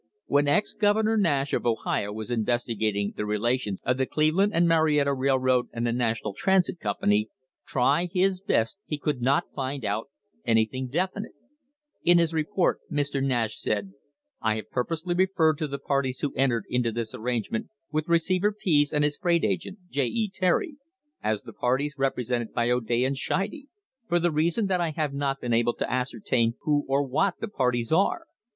When ex Governor Nash of Ohio was investigating the relations of the Cleveland and Marietta Railroad and the National Transit Company, try his best he could not find out anything definite. In his report Mr. Nash said: "I have pur posely referred to the parties who entered into this arrange ment with Receiver Pease and his freight agent, J. E. Terry, as the parties represented by O'Day and Scheide, for the rea son that I have not been able to ascertain who or what the parties are."